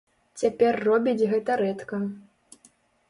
Цяпер робіць гэта рэдка.